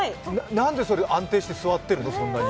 何でそれ、安定して座ってるの、そんなに。